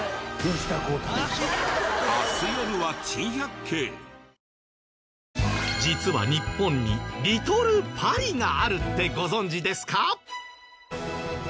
今も実は日本にリトルパリがあるってご存じですか？